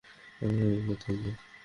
আমরা এখানে নিরাপদ থাকব।